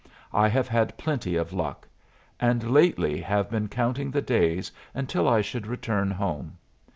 I have had plenty of luck, and lately have been counting the days until I should return home.